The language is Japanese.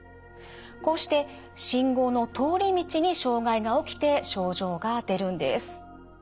こうして信号の通り道に障害が起きて症状が出るんです。